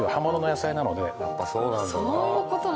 やっぱそうなんだな。